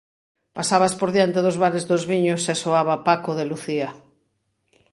Pasabas por diante dos bares dos viños e soaba Paco de Lucía.